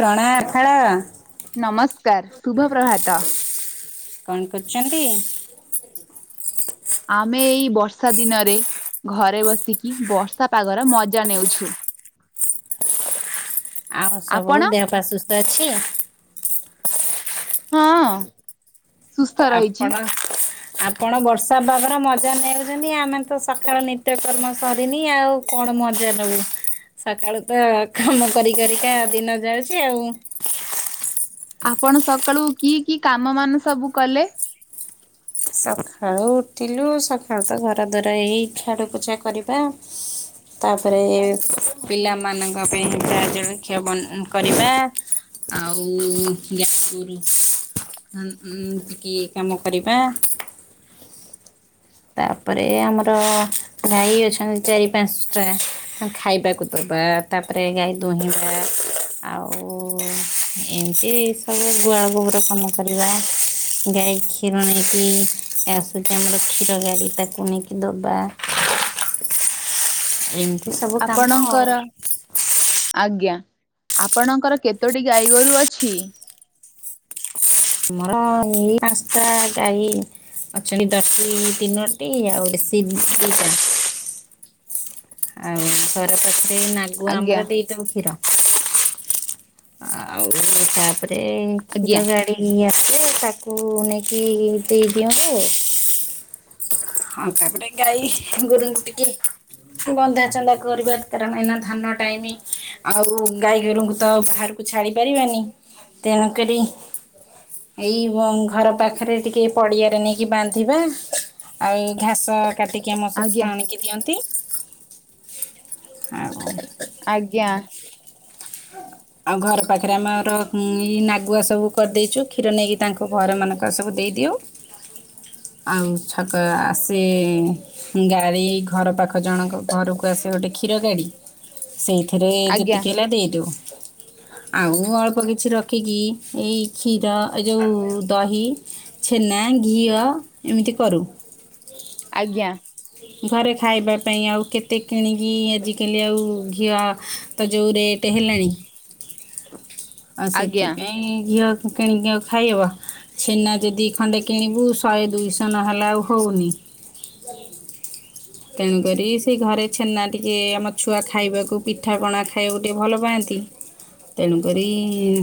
ଟଣା ଆଖାଳ ନମସ୍କାର୍ ଶୁଭ ପ୍ରଭାତ। କନ୍ କରୁଚନ୍ତି? ଆମେ ଏଇ ବର୍ଷା ଦିନରେ ଘରେ ବସିକି ବର୍ଷା ପାଗର ମଜା ନେଉଛୁ। ଆଉ ସବୁ ଆପଣ ଦେହ ପା ସୁସ୍ଥ ଅଛି? ହଁ। ସୁସ୍ଥ ରହିଛି ଆପଣ ଆପଣ ବର୍ଷା ପାଗର ମଜା ନେଉଚନ୍ତି ଆମେ ତ ସଖାଳ ନିତ୍ୟକର୍ମ ସରିନି ଆଉ। କଣ ମଜା ନବୁ ସଖାଳୁ ତ କାମ କରି କରିକା ଦିନ ଯାଉଛି ଆଉ। ଆପଣ ସକାଳୁ କି କି କାମ ମାନ ସବୁ କଲେ? ସଖାଳୁ ଉଠିଲୁ ସଖାଳୁ ତ ଘର ଦ୍ୱାର ଏଇ ଝାଡୁ ପୋଛା କରିବା ତାପରେ ପିଲାମାନଙ୍କ ପାଇଁ ଚା ଜଳଖିଆ ବନା କରିବା ଆଉ ଗାଈ ଗୋରୁ ଉଁ ଟିକେ କାମ କରିବା ତାପରେ ଆମର ଗାଈ ଅଛନ୍ତି ଚାରି ପାଞ୍ଚ୍ ଟା ଖାଇବାକୁ ଦବା ତାପରେ ଗାଈ ଦୁହିଁବା ଆଉ ଏମିତି ସବୁ ଗୁଆଳ ଗୋବର କାମ କରିବା ଗାଈ କ୍ଷୀର ନେଇକି ଆସୁଚି ଆମର କ୍ଷୀର ଗାଡ଼ି ତାକୁ ନେଇକି ଦବା। ସବୁ କାମ ଆଉ ଆପଣଙ୍କର ଆଜ୍ଞା ଆପଣଙ୍କର କେତୋଟି ଗାଈ ଗୋରୁ ଅଛି? ମୋର ଏଇ ପାଞ୍ଚଟା ଗାଈ। ଅଛନ୍ତି ଦର୍ଶି ତିନଟି ଆଉ ଦେଶୀ ଦିଟା। ଆଉ ଘର ପାଖରେ ନାଗୁ ଆମର ଆଜ୍ଞା ଦେଇଦଉ କ୍ଷୀର। ଆଉ ତାପରେ ଆଜ୍ଞା କ୍ଷୀର ଗାଡି ଆସେ ତାକୁ ନେଇକି ଦେଇଦିଅନ୍ତୁ ଆଉ। ଆଉ ତାପରେ ଗାଈ ଗୋରୁଙ୍କୁ ଟିକେ ବନ୍ଧା ଚନ୍ଦା କରିବା କାରଣ ଏଇନା ଧାନ ଟାଇମି। ଆଉ ଗାଈ ଗୋରୁଙ୍କୁ ତ ବାହାରକୁ ଛାଡି ପାରିବାନି ତେଣୁ କରି ଏଇ ଘର ପାଖରେ ଟିକେ ପଡିଆରେ ନେଇକି ବାନ୍ଧିବା। ଆଉ ଘାସ କାଟିକି ଆମ ଶଶୁର ଆଜ୍ଞା ଆଣିକି ଦିଅନ୍ତି। ଆଉ ଆଜ୍ଞା। ହ [inaudible] ଆଉ ଘର ପାଖେରେ ଆମର ନାଗୁଆ ସବୁ କରିଦେଇଚୁ କ୍ଷୀର ନେଇକି ତାଙ୍କୁ ଘରମାନଙ୍କ ସବୁ ଦେଇଦିଉ। ହଁ [inaudible] ଆଉ ଛକ ଆସେ ଗାଡ଼ି ଘର ପାଖ ଜଣଙ୍କ ଘରକୁ ଆସେ ଗୋଟେ କ୍ଷୀର ଗାଡ଼ି। ସେଇଥିରେ ଆଜ୍ଞା ଯେତିକି ହେଲା ଦେଇଦଉ ଆଉ ଅଳ୍ପ କିଛି ର ରଖିକି ଏଇ କ୍ଷୀର ଏ ଯେଉ ଦହି ଛେନା ଘିଅ ଏମିତି କରୁ। ଆଜ୍ଞା। ହ [inaudible] ଘରେ ଖାଇବା ପାଇଁ ଆଉ କେତେ କିଣିକି ଆଜିକାଲି ଆଉ ଘିଅ ତ ଯେଉଁ ରେଟ୍ ହେଲାଣି। [unintelligible] ଆଉ ସେଥିପାଇଁ ଘିଅ କିଣିକି ଆଉ ଖାଇହବ। ଛେନା ଯଦି ଖଣ୍ଡେ କିଣିବୁ ଶହେ ଦୁଇଶହ ନହେଲେ ଆଉ ହଉନି। [unintelligible] ତେଣୁକରି ସେ ଘରେ ଛେନା ଟିକେ ଆମ ଛୁଆ ଖାଇବାକୁ ପିଠାପଣା ଖା ଖାଇବାକୁ ଟିକିଏ ଭଲ ପାଆନ୍ତି। ତେଣୁକରି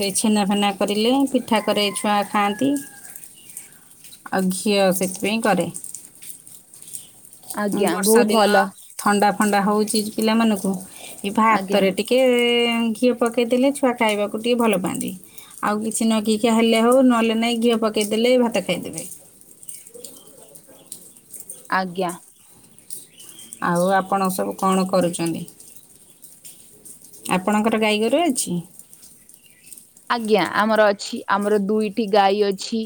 ସେ ଛେନାଫେନା କରିଲେ ପିଠା କରେ ଛୁଆ ଖାଆନ୍ତି। [unintelligible] ଆଉ ଘିଅ ସେଥିପାଇଁ କରେ। ଆଜ୍ଞା ବର୍ଷା ବହୁତ ଦିନ ଭଲ ଥଣ୍ଡା ଫଣ୍ଡା ହଉଚି ପିଲାମାନଙ୍କୁ ଏ ଆଜ୍ଞା ହାତରେ ଟି କେ ଘିଅ ପକେଇଦେଲେ ଛୁଆ ଖାଇବାକୁ ଟିକେ ଭଲ ପାଆନ୍ତି। ଆଉ କିଛି ନାଗିଖିଆ ହେଲେ ହଉ ନହେଲେ ନାଇଁ ଘିଅ ପକେଇଦେଲେ ଭାତ ଖାଇଦେବେ। ଆଜ୍ଞା। ଆଉ ଆପଣ ସବୁ କଣ କରୁଚନ୍ତି? ଆପଣଙ୍କର ଗାଈଗୋରୁ ଅଛି? ଆଜ୍ଞା ଆମର ଅଛି ଆମର ଦୁଇଟି ଗାଈ ଅଛି।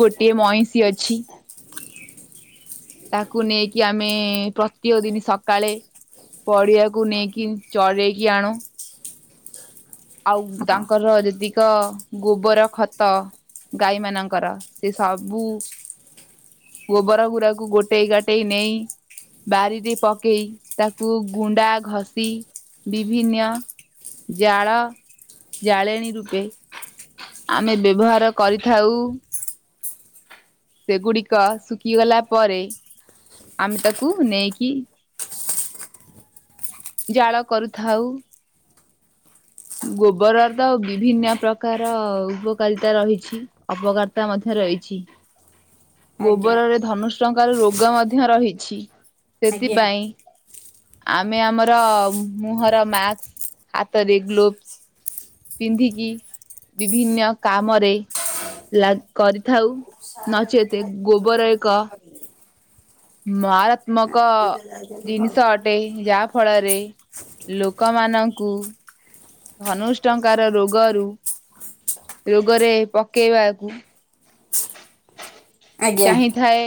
ଗୋଟିଏ ମଇଁଷି ଅଛି। ତାକୁ ନେଇକି ଆମେ ପ୍ରତିୟ ଦିନି ସକାଳେ ପଡିଆକୁ ନେଇକି ଚଢେଇକି ଆଣୁ। ଆଉ ଆପଣ ତାଙ୍କର ଯେଦି ତ ଗୋବର ଖତ ଗାଈମାନାନଙ୍କର ସେ ସବୁ ଗୋବର ଗୁୁରାକୁ ଗୋଟେଇ ଗାଟେଇ ନେଇ ବାରିରେ ପକେଇ ତାକୁ ଗୁଣ୍ଡା ଘଷି ବିଭିନ୍ନ ଜାଳ ଜାଳେଣୀ ରୂପେ ଆମେ ବ୍ୟବହାର କରିଥାଉ। ସେଗୁଡ଼ିକ ଶୁଖିଗଲା ପରେ ଆମେ ତାକୁ ନେଇକି ଜାଳ କରୁଥାଉ। ଗୋବରରେ ତ ବିଭିନ୍ନ ପ୍ରକାର ଉପକାରିତା ରହିଛି। ଅବକାରିତା ମଧ୍ୟ ରହିଛି। ଆଜ୍ଞା ଗୋବରରେ ଧନୁଷ୍ଙ୍କାର ରୋଗ ମଧ୍ୟ ରହିଛି ସେଥିପାଇଁ ଆଜ୍ଞା ଆମେ ଆମର ମୁହଁର ମାସ୍କ ହାତରେ ଗ୍ଲୋଭସ ପିନ୍ଧିକି ବିଭିନ୍ନ କାମରେ ଲ କରିଥାଉ ନଚେତ ଗୋବର ଏକ ମାରାତ୍ମକ ଜିନିଷ ଅଟେ ଯାହା ଫଳରେ ଲୋକମାନଙ୍କୁ ଧନୁଷ୍ଙ୍କାର ରୋଗରୁ ରୋଗରେ ପକେଇବାକୁ ଆଜ୍ଞା ଚାହିଁଥାଏ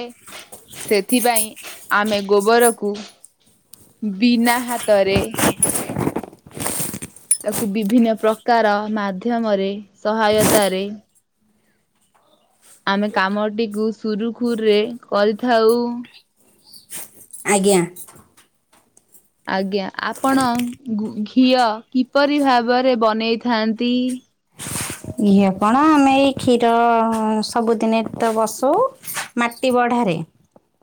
ସେଥିପାଇଁ ଆମେ ଗୋବରକୁ ବିନା ହାତରେ [inaudible] ତାକୁ ବିଭିନ୍ନ ପ୍ରକାର ମାଧ୍ୟମରେ ସହାୟତାରେ ଆମେ କାମଟିକୁ ସୁରୁଖୁରୁରେ କରିଥାଉ। ଆଜ୍ଞା ଆଜ୍ଞା ଆପଣ ଘିଅ କିପରି ଭାବରେ ବନେଇଥାନ୍ତି? ଇଏ କଣ ଆମେ ଏଇ କ୍ଷୀର ସବୁଦିନେ ତ ବସଉ ମାଟି ବଢାରେ। ଁ [unintelligible]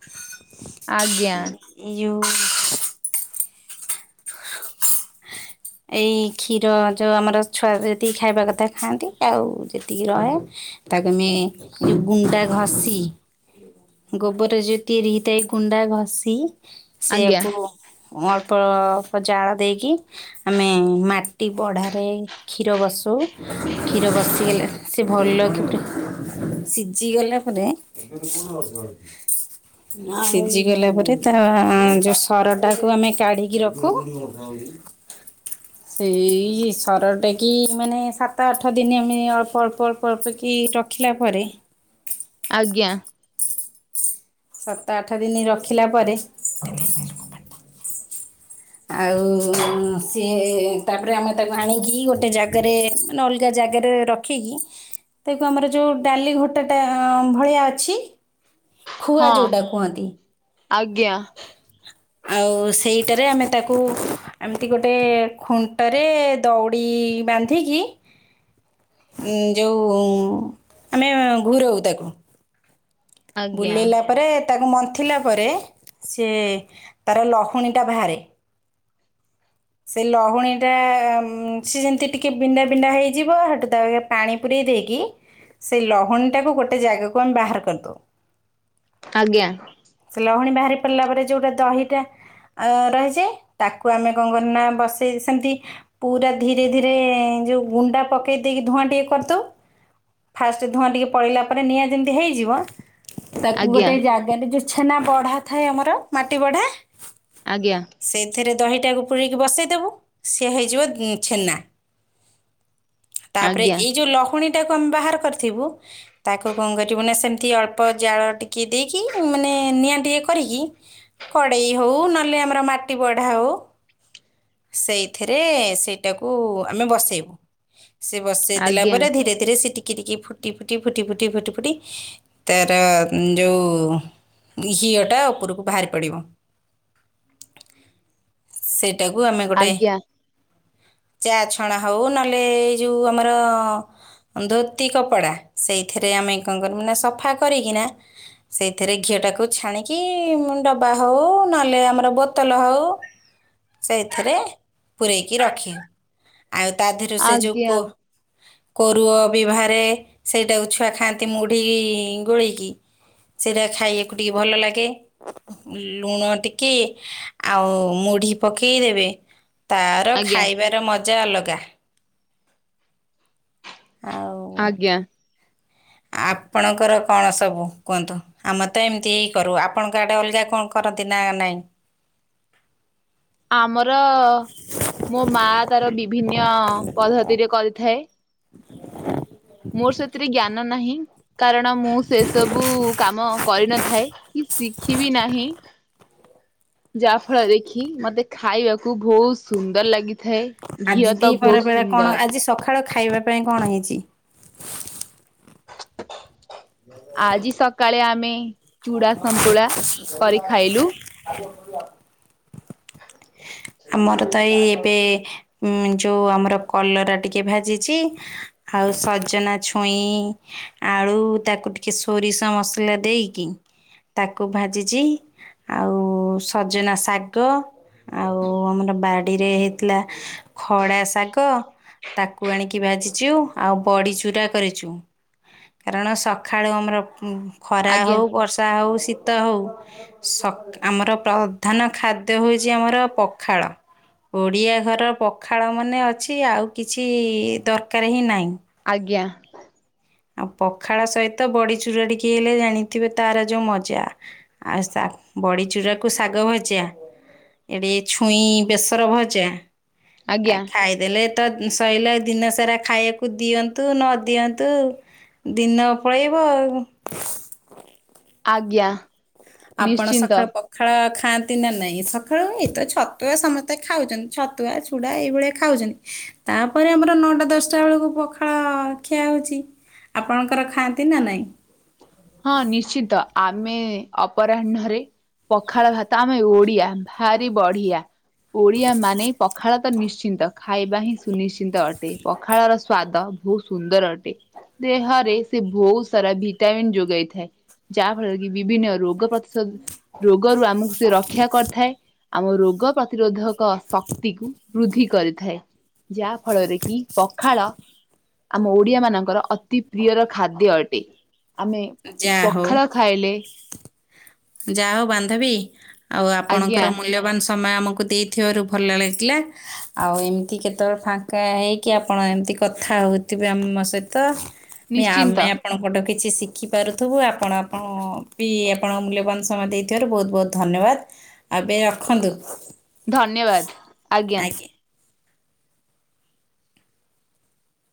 ୟୁ ଏଇ କ୍ଷୀର ଯୋଉ ଆମର ଛୁଆ ଯେତିକି ଖାଇବା କଥା ଖାଆନ୍ତି। ଆଉ ଯେତିକି ରହେ ତାକୁ ଆମେ ଗୁଣ୍ଡା ଘଷି। ଗୋବରରେ ଯ ତିଆରି ହେଇଥାଏ ଗୁଣ୍ଡା ଘଷି ଆଜ୍ଞା ସେଆକୁ ଅଳ୍ପ ଅଳ୍ପ ଜାଳ ଦେଇକି ଆମେ ମାଟି ବଢ଼ାରେ କ୍ଷୀର ବସଉ କ୍ଷୀର ବସିଗଲେ ସେ ଭଲକି ସିଝିଗଲା ପରେ ସିଝିଗଲା ପରେ ତାର ଯୋଉ ସରଟାକୁ ଆମେ କାଢିକି ରଖୁ। ହଉ [inaudible] ସେଇ ସରଟେ କି ମାନେ ସାତ ଆଠ ଦିନ ଆମେ ଅଳ୍ପ ଅଳ୍ପ ଅଳ୍ପ ଅଳ୍ପ କି ରଖିଲା ପରେ। ଆଜ୍ଞା। ସାତ ଆଠ ଦିନ ରଖିଲା ପରେ। ଆଉ ସିଏ ତାପରେ ଆମେ ତାକୁ ଆଣିକି ଗୋଟେ ଜାଗାରେ ମାନେ ଅଲଗା ଜାଗାରେ ର ଖିକି ତାକୁ ଆମର ଯୋଉ ଡାଲି ଘଟାଟା ଭଳିଆ ଅଛି। ହ [unintelligible] ଖୁଆ ଯେଉଁଟା କୁହନ୍ତି। ଆଜ୍ଞା ଆଉ ସେଇଟାରେ ଆମେ ତାକୁ ଏମିତି ଗୋଟେ ଖୁଣ୍ଟରେ ଦଉଡ଼ି ବାନ୍ଧିକି ଯେଉଁ ଆମେ ଘୁରଉ ତାକୁ। ଆଜ୍ଞା ବୁଲିଲା ପରେ ତାକୁ ମନ୍ଥିଲା ପରେ ସେ ତାର ଲହୁଣୀଟା ବାହାରେ। ସେ ଲହୁଣୀଟା ସେ ଯେମତି ଟିକେ ବିଣ୍ଡା ବିଣ୍ଡା ହେଇଯିବ ସେଠୁ ତା ପାଣି ପୁରେଇ ଦେଇକି ସେଇ ଲହୁଣୀଟାକୁ ଗୋଟେ ଜାଗାକୁ ଆମେ ବାହାର କରିଦଉ। ଆଜ୍ଞା। ସେ ଲହୁଣୀ ବାହାରି ପରିଲା ପରେ ଯୋଉଟା ଦହିଟା ରହିଛି ତାକୁ ଆମେ କଣ କରିବୁ ନା ବସେଇ ସେମତି ପୁରା ଧୀରେ ଧୀରେ ଯୋଉ ଗୁଣ୍ଡା ପକେଇ ଦେଇକି ଧୂଆଁ ଟିକେ କରିଦୋଉ। ଫାଷ୍ଟ ଧୂଆଁ ଟିକେ ପଲେଇଲା ପରେ ନିଆଁ ଯେମିତି ହେଇଯିବ ତାକୁ ଆଜ୍ଞା ଗୋଟେ ଜାଗାରେ ଯୋଉ ଛେନା ବଢା ଥାଏ ଆମର ମାଟି ବଢା ଆଜ୍ଞା। ସେଇଥିରେ ଦହିଟାକୁ ପୁୁରେଇକି ବସେଇଦବୁ ସିଏ ହେଇଯିବ ଛେନା। ତାପରେ ଆଜ୍ଞା ଏଇ ଯୋଉ ଲହୁଣୀଟାକୁ ଆମେ ବାହାର କରିଥିବୁ ତାକୁ କଣ କରିବୁ ନା ସେମିତି ଅଳ୍ପ ଜାଳ ଟିକିଏ ଦେଇକି ମାନେ ନିଆଁ ଟିକେ କରିକି କଡ଼େଇ ହଉ ନହେଲେ ଆମର ମାଟି ବଢ଼ା ହଉ ସେଇଥିରେ ସେଇଟାକୁ ଆମେ ବସେଇବୁ ସେ ବସେଇ ଆଜ୍ଞା ଦେଲାପରେ ଧୀରେ ଏଥିରେ ସେ ଟିକି ଟିକି ଫୁଟି ଫୁଟି ଫୁଟି ଫୁଟି ଫୁଟି ଫୁଟି ତାର ଯୋଉ ଘିଅଟା ଉପରୁକୁ ବାହାରି ପଡ଼ିବ। କୁ ଆମେ ଗୋଟେ ଆଜ୍ଞା ଆଜ୍ଞା ଚା ଛଣା ହଉ ନହେଲେ ଏଇ ଯୋଉ ଆମର ଧୋତି କପଡ଼ା ସେଇଥିରେ ଆମେ କଣ କରିବୁ ନା ସଫା କରିକିନା ସେଇଥିରେ ଘିଅଟାକୁ ଛାଣିକି ଡବା ହଉ ନହେଲେ ଆମର ବୋତଲ ହଉ ସେଇଥିରେ ପୂରେଇକି ରଖି ଆଉ ତା ଦେହରୁ ସେ ଯୋଉ ଆଜ୍ଞା କୋ କୋରୁଅ ବି ବାହାରେ ସେଇଟାକୁ ଛୁଆ ଖାଆନ୍ତି ମୁଢ଼ି ଗୋଳେଇକି। ସେଇଟା ଖାଇଆକୁ ଟିକେ ଭଲ ଲାଗେ। ଲୁଣ ଟିକେ ଆଉ ମୁଢି ପକେଇ ଦେବେ ତାର ଆଜ୍ଞା ଖାଇବାର ମଜା ଅଲଗା। ଆଉ ଆଜ୍ଞା। ଆପଣଙ୍କର କଣ ସବୁ କୁହନ୍ତୁ? ଆମେ ତ ଏମିତି ହିଁ କରୁ ଆପଣଙ୍କ ଆଡେ ଅଲଗା କଣ କରନ୍ତି ନା ନାଇଁ? ଆମର ମୋ ମାଆ ତାର ବିଭିନ୍ୟ ପଦ୍ଧତିରେ କରିଥାଏ। ମୋର ସେଥିରେ ଜ୍ଞାନ ନାହିଁ କାରଣ ମୁଁ ସେ ସବୁ କାମ କରିନଥାଏ। କି ଶିଖିବି ନାହିଁ। ଯାହା ଫଳରେ ଦେଖି ମତେ ଖାଇବାକୁ ବହୁତ୍ ସୁନ୍ଦର ଲାଗି ଆଜି ଦି ପ୍ରହର ବେଳା କଣ ଆଜି ସଖାଳ ଖାଇବା ପାଇଁ କଣ ହେଇଛି? ଆଜି ସକାଳେ ଆମେ ଚୁଡ଼ା ସନ୍ତୁଳା କରି ଖାଇଲୁ। [unintelligible] ଆମର ତ ଏଇ ଏବେ ଉଁ ଯୋଉ ଆମର କଲରା ଟିକେ ଭାଜିଛି। ଆଉ ସଜନା ଛୁଇଁ ଆଳୁ ତାକୁ ଟିକେ ସୋରିଷ ମସଲା ଦେଇ କି ତାକୁ ଭାଜିଛି ଆଉ ସଜନା ଶାଗ ଆଉ ଆମର ବାଡ଼ିରେ ହେଇଥିଲା ଖଡ଼ା ଶାଗ। ତାକୁ ଆଣିକି ଭାଜିଛୁ ଆଉ ବଡ଼ି ଚୁରା କରିଛୁ। କାରଣ ସକାଳୁ ଆମର ଉଁ ଖରା ଆଜ୍ଞା ହଉ ବର୍ଷା ହଉ ଶୀତ ହଉ ସ ଆମର ପ୍ରଧାନ ଖାଦ୍ୟ ହଉ ଆଜି ଆମର ପଖାଳ। ଓଡ଼ିଆ ଘରର ପଖାଳ ମାନେ ଅଛି, ଆଉ କିଛି ଦରକାର୍ ହିଁ ନାହିଁ। ଆଜ୍ଞା। ଆଉ ପଖାଳ ସହିତ ବଡିଚୁରା ଟିକେ ହେଇଲେ, ଜାଣିଥିବେ ତାର ଯୋଉ ମଜା। ଆଶା, ବଡ଼ିଚୂୁରାକୁ ଶାଗ ଭଜା ଏଠି ଛୁଇଁ ବେସର ଭଜା, ଆଉ ଆଜ୍ଞା ଖାଇ ଦେଲେ ତ ସଇଲା, ଦିନସାରା ଖାଇବାକୁ ଦିଅନ୍ତୁ ନ ଦିଅନ୍ତୁ ଦିନ ପଳେଇବ ଆଉ। ଆଜ୍ଞା। ଆପଣ ନିଶ୍ଚିନ୍ତ। ସକାଳୁ ପଖ୍ ପଖାଳ ଖାଆନ୍ତି ନା ନାଇଁ? ସକାଳୁ ଏଇତ ଛତୁଆ ସମସ୍ତେ ଖାଉଚନ୍ତି, ଛତୁଆ ଚୁ ଚୁଡ଼ା ଏଇଭଳିଆ ଖାଉଚନ୍ତି, ତାପରେ ଆମର ନଅଟା ଦଶଟା ବେଳକୁ ପଖାଳ ଖିଆ ହେଉଚି। ଆପଣଙ୍କର ଖାଆନ୍ତି ନା ନାହିଁ? ହଁ ନିଶ୍ଚିତ, ଆମେ ଅପରାହ୍ନରେ ପଖାଳ ଭାତ, ଆମେ ଓଡିଆ ଭାରି ବଢିଆ। ଓଡ଼ିଆ ମାନେ ପଖାଳ ତ ନିଶ୍ଚିନ୍ତ, ଖାଇବା ହିଁ ସୁନିଶ୍ଚିନ୍ତ ଅଟେ, ପଖାଳର ସ୍ଵାଦ ବହୁତ ସୁନ୍ଦର ଅଟେ, ଦେହରେ ସେ ବହୁତ ସାରା ଭିଟାମିନ୍ ଯୋଗ୍ ଯୋଗାଇଥାଏ, ଯାହା ଫଳରେ କି ବିଭିନ୍ନ ରୋଗ ପ୍ରତିଶୋଧ ରୋଗରୁ ଆମକୁ ସେ ରକ୍ଷା କରିଥାଏ ଆମ ରୋଗ ପ୍ରତିରୋଧକ ଶକ୍ତିକୁ ବୃଦ୍ଧି କରିଥାଏ। ଯାହା ଫଳରେ କି, ପଖାଳ ଆମ ଓଡିଆ ମାନଙ୍କର ଅତି ପ୍ରିୟର ଖାଦ୍ୟ ଅଟେ, ଆମେ ଯାହା ହଉ, ପଖାଳ ଖାଇଲେ ଯାହା ହଉ ବାନ୍ଧବୀ ଆଉ ଆଜ୍ଞା ଆପଣଙ୍କର ମୂଲ୍ୟବାନ୍ ସମୟ ଆମକୁ ଦେଇଥିବାରୁ ଭଲ ଲାଗିଲା। ଆଉ ଏମିତି କେତେବେଳେ ଫାଙ୍କା ହେଇକି ଆପଣ ଏମତି କଥା ହଉଥିବେ ଆମ ସହିତ ବି ଆମେ ନିଶ୍ଚିନ୍ତ ଆପଣଙ୍କଠୁ କିଛି ଶିଖ୍ ଶିଖିପାରୁଥିବୁ, ଆପଣ ଆପଣ ବି ଆପଣ ମୂଲ୍ୟବାନ୍ ସମୟ ଦେଇଥିବାରୁ ବହୁତ ବହୁତ ଧନ୍ୟବାଦ୍। ଆବେ ରଖନ୍ତୁ। ଧନ୍ୟବାଦ, ଆଜ୍ଞା।